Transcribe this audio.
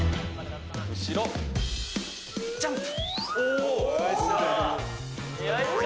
後ろ、ジャンプ。